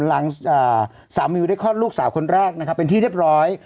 หลังสาวมิวได้คลอดลูกสาวคนแรกนะครับเป็นที่เรียบร้อย